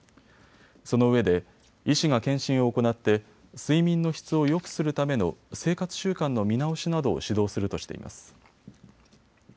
そのうえで医師が検診を行って睡眠の質をよくするための生活習慣の見直しなどを指導するとしています。